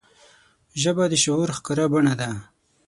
ژبه د شعور ښکاره بڼه ده